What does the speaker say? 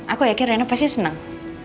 aku yakin reno pasti senang